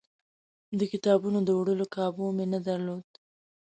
د کتابونو د وړلو کابو مې نه درلود.